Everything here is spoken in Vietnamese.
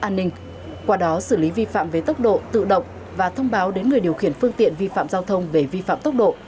an ninh qua đó xử lý vi phạm về tốc độ tự động và thông báo đến người điều khiển phương tiện vi phạm giao thông về vi phạm tốc độ